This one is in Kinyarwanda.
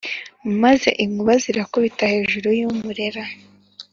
Maze inkuba zirakubita hejuru y’umurera,